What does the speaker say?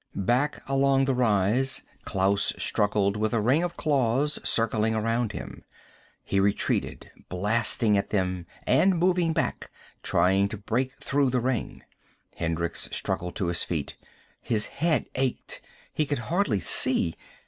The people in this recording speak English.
Back along the rise Klaus struggled with a ring of claws circling around him. He retreated, blasting at them and moving back, trying to break through the ring. Hendricks struggled to his feet. His head ached. He could hardly see.